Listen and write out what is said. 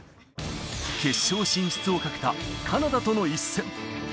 決勝進出を懸けたカナダとの一戦。